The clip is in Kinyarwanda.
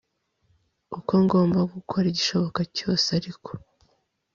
uko ngomba gukora igishoboka cyose ariko